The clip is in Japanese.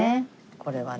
これはね。